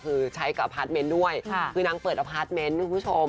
คือใช้กับอพาร์ทเมนต์ด้วยคือนางเปิดอพาร์ทเมนต์คุณผู้ชม